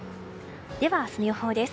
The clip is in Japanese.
では、明日の予報です。